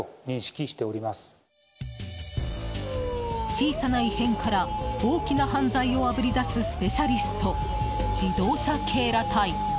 小さな異変から大きな犯罪をあぶり出すスペシャリスト、自動車警ら隊。